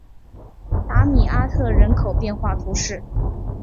达米阿特人口变化图示